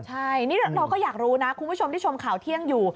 ใช่นี่เราก็อยากรู้นะคุณผู้ชมที่ชมข่าวเที่ยงอยู่